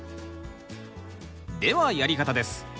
ではやり方です。